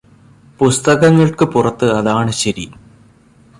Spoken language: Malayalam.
പുസ്തകങ്ങള്ക്ക് പുറത്ത് അതാണ് ശരി